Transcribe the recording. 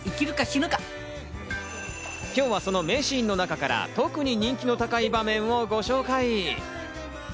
今日はその名シーンの中から特に人気の高い場面をご紹介。